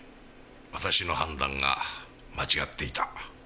私の判断が間違っていた。